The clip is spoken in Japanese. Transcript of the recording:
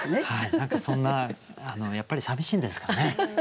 何かそんなやっぱりさみしいんですかね？